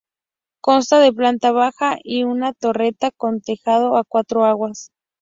Consta de planta baja y una torreta con tejado a cuatro aguas.